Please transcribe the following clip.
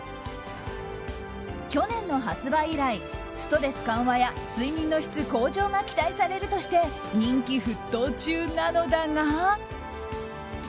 去年の発売以来、ストレス緩和や睡眠の質向上が期待されるとして人気沸騰中なのだが。